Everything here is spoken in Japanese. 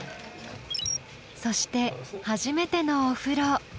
そして初めてのお風呂。